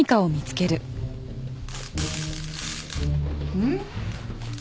うん？